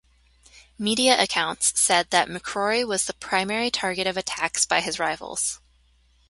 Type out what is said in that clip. Media accounts said that McCrory was the primary target of attacks by his rivals.